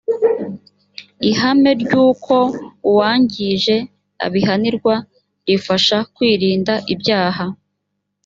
ihame ry’uko uwangije abihanirwa rifasha kwirinda ibyaha.